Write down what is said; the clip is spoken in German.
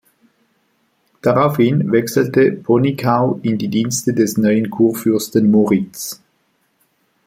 Daraufhin wechselte Ponickau in die Dienste des neuen Kurfürsten Moritz.